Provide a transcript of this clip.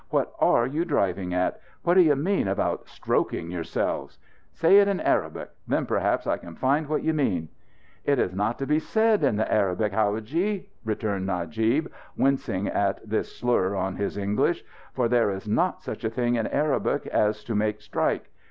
"What are you driving at? What do you mean about 'stroking yourselves'? Say it in Arabic. Then perhaps I can find what you mean." "It is not to be said in the Arabic, howadji," returned Najib, wincing at this slur on his English. "For there is not such a thing in the Arabic as to make strike.